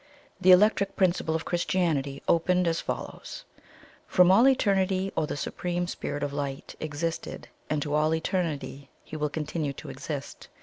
The "Electric Principle of Christianity" opened as follows: "From all Eternity God, or the SUPREME SPIRIT OF LIGHT, existed, and to all Eternity He will continue to exist.